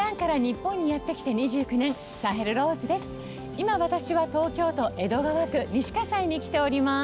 今私は東京都江戸川区西西に来ております。